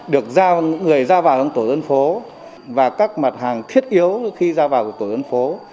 được người giao vào trong tổ dân phố và các mặt hàng thiết yếu khi giao vào tổ dân phố